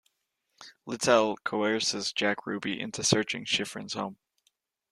Littell coerces Jack Ruby into searching Schiffrin's home.